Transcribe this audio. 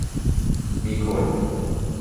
มีคน